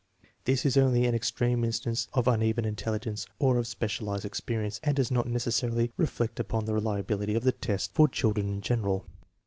This is only an extreme instance of uneven intelligence or of specialized experience, and does not neces sarily reflect upon the reliability of the tests for children in general.